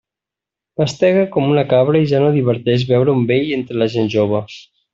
Mastegue com una cabra i ja no diverteix veure un vell entre la gent jove.